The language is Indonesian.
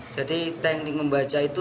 jadi tending membaca itu sebegitu